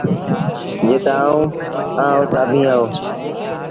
جِت آئوٚنٚ اهآنٚ اُت اڀيٚنٚ با هو۔